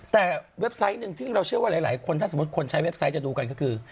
แต่เว็บไซต์หนึ่งที่เราเชื่อว่าหลายคนถ้าสมมุติคนใช้เว็บไซต์จะดูกันก็คือ